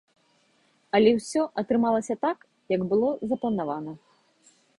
Але ўсё атрымалася так, як было запланавана.